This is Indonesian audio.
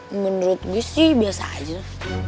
menurut gue sih biasa aja